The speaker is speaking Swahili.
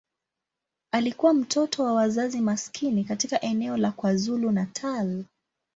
Alikuwa mtoto wa wazazi maskini katika eneo la KwaZulu-Natal.